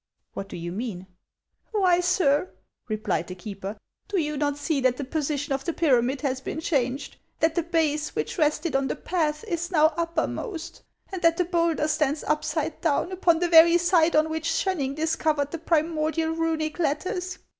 " What do you mean ?" "Why, sir," replied the keeper, "do you not see that the position of the pyramid has been changed ; that the base, which rested on the path, is now uppermost ; and that the bowlder stands upside down, upon the very side on which Schoenning discovered the primordial Eunic letters